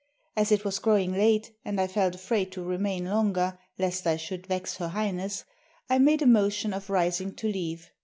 As it was growing late, and I felt afraid to remain longer, lest I should vex Her Highness, I made a motion of rising to leave.